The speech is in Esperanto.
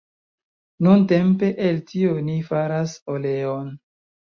Nuntempe el tio oni faras oleon.